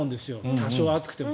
多少、暑くても。